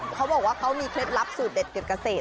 เขาบอกว่าเขามีเคล็ดลับสูตรเด็ดเก็บเกษตร